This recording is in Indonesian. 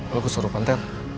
lo keserupan ter